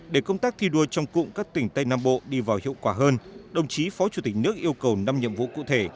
để công tác thi đua trong cụm các tỉnh tây nam bộ đi vào hiệu quả hơn đồng chí phó chủ tịch nước yêu cầu năm nhiệm vụ cụ thể